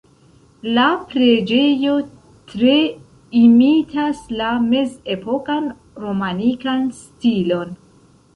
La preĝejo tre imitas la mezepokan romanikan stilon.